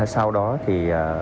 sau đó thì